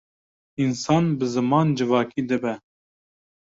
Însan bi ziman civakî dibe.